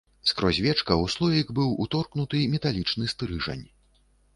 Скрозь вечка ў слоік быў уторкнуты металічны стрыжань.